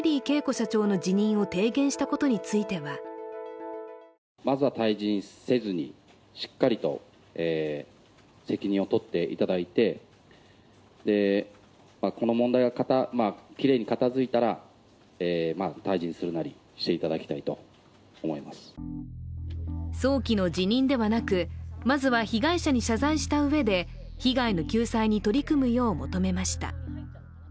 社長の辞任を提言したことについては早期の辞任ではなく、まずは被害者に謝罪したうえで被害の救済に取り組むよう求めました。